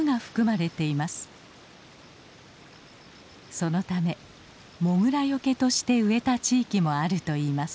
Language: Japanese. そのためモグラよけとして植えた地域もあるといいます。